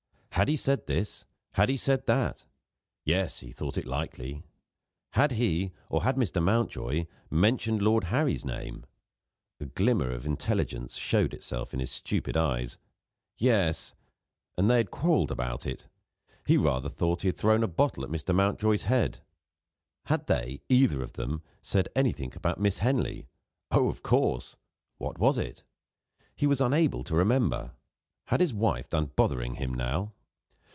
Had he said this? Had he said that? Yes: he thought it likely. Had he, or had Mr. Mountjoy, mentioned Lord Harry's name? A glimmer of intelligence showed itself in his stupid eyes. Yes and they had quarrelled about it: he rather thought he had thrown a bottle at Mr. Mountjoy's head. Had they, either of them, said anything about Miss Henley? Oh, of course! What was it? He was unable to remember. Had his wife done bothering him, now?